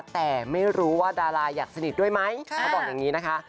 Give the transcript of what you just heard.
แต่ไม่รู้ว่าดาราอยากสนิทด้วยไหมเขาบอกอย่างนี้นะคะ